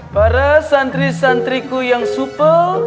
para santri santriku yang supel